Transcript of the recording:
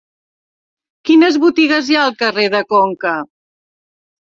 Quines botigues hi ha al carrer de Conca?